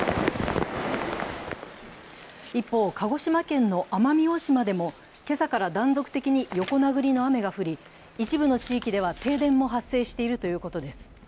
一方、鹿児島県の奄美大島でも今朝から断続的に横殴りの雨が降り、一部の地域では停電も発生しているということです。